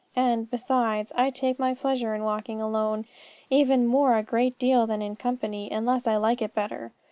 And, besides, I take my pleasure in walking alone, even more a great deal than in company, unless I like it better."